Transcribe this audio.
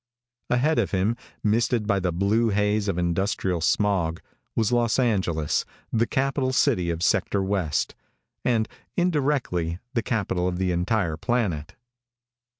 Ahead of him, misted by the blue haze of industrial smog, was Los Angeles, the capital city of Sector West and indirectly the capital of the entire planet.